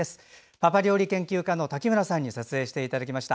パパ料理研究家の滝村さんに撮影していただきました。